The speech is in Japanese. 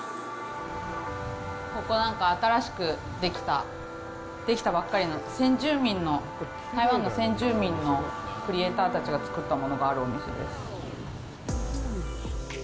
ここ、新しくできたばっかりの台湾の先住民のクリエイターたちが作ったものがあるお店です。